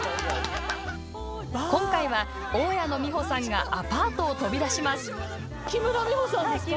今回は、大家の美穂さんがアパートを飛び出します。